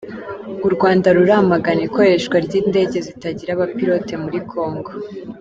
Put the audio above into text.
U Rwanda ruramagana ikoreshwa ry’indege zitagira abapilote muri kongo